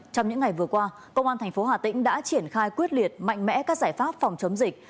trong những ngày vừa qua công an thành phố hà tĩnh đã triển khai quyết liệt mạnh mẽ các giải pháp phòng chống dịch